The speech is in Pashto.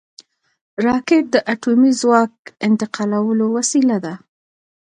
راکټ د اټومي ځواک انتقالولو وسیله ده